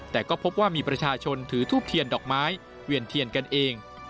แต่ก็พบว่ามีประชาชนถือทูบเทียนดอกไม้เวียนเทียนกันเอง